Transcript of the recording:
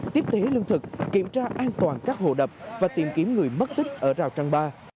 tiếp tế lương thực kiểm tra an toàn các hồ đập và tìm kiếm người mất tích ở rào trăng ba